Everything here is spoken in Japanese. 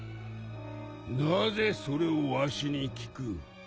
なぜそれをわしに聞く？